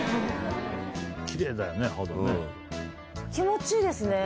気持ちいいですね。